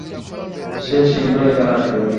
সে শীঘ্রই এখানে আসবে।